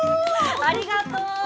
ありがとう。